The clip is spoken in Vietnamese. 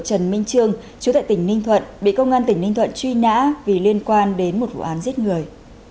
trần minh trương chú tại tỉnh ninh thuận bị công an tỉnh ninh thuận truy nã vì liên quan đến một vụ án giết người